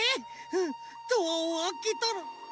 うんドアをあけたの。